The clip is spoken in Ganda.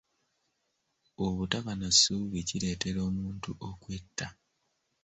Obutaba na ssuubi kireetera omuntu okwetta.